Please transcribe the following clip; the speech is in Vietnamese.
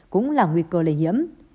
cũng là nguy cơ lây nhiễm